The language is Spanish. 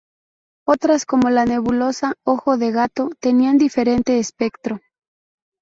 Otras como la Nebulosa Ojo de Gato, tenían diferente espectro.